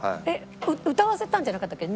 歌わせたんじゃなかったっけ？